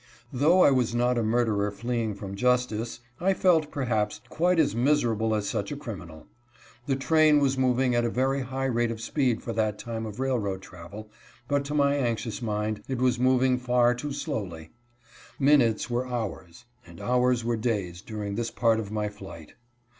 Though I was not a murderer fleeing from justice, I felt, perhaps, quite as miserable as such a criminal. The train was moving at a very high rate of speed for that time of railroad travel, but to my anxious mind, it was moving far too slowly. Minutes were hours, and hours were days during this part of my flight.